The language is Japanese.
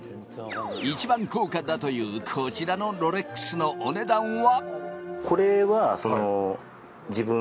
一番高価だという、こちらのロレックスのお値段は。